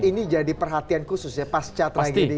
tapi ini menjadi perhatian khusus ya pas cat lagi di ini ya